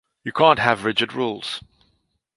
You can't have rigid rules.